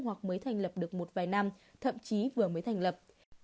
hoặc mới thành lập được một vài năm thậm chí vừa mới thành lập